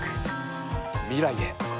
未来へ。